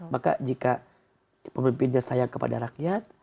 maka jika pemimpinnya sayang kepada rakyat